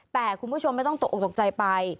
แต่คุณผู้ชมไม่ต้องตกออกตกใจไป